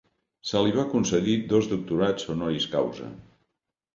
Se li van concedir dos doctorats Honoris Causa.